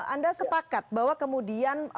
anda sepakat bahwa kemudian